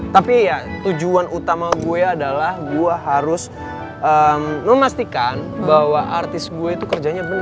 tapi ya tujuan utama gue adalah gue harus memastikan bahwa artis gue itu kerjanya benar